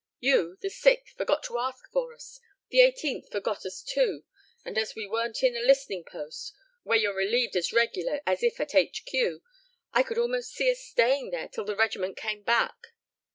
You, the 6th, forgot to ask for us; the 18th forgot us, too; and as we weren't in a listening post where you're relieved as regular as if at H.Q., I could almost see us staying there till the regiment came back.